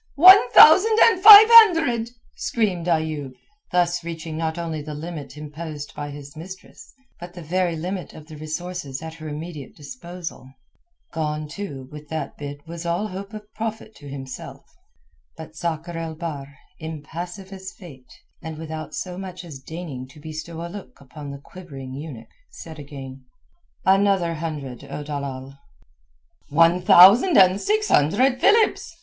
"One thousand and five hundred," screamed Ayoub, thus reaching not only the limit imposed by his mistress, but the very limit of the resources at her immediate disposal. Gone, too, with that bid was all hope of profit to himself. But Sakr el Bahr, impassive as Fate, and without so much as deigning to bestow a look upon the quivering eunuch, said again— "Another hundred, O dalal." "One thousand and six hundred philips!"